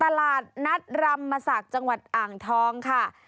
ตลาดนัดรำมศักดิ์จังหวัดอ่างทองค่ะ